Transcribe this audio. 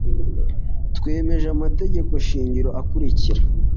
twemeje amategeko shingiro akurikira